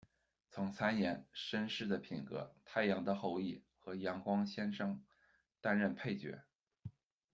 曾参演《绅士的品格》、《太阳的后裔》和《阳光先生》担任配角